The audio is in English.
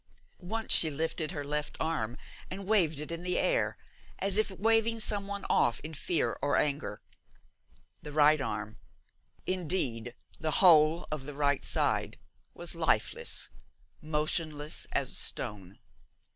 Once she lifted her left arm and waved it in the air, as if waving some one off in fear or anger. The right arm, indeed the whole of the right side, was lifeless, motionless as a stone.